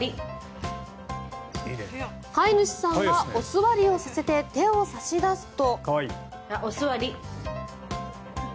飼い主さんがお座りをさせて手を差し出すと。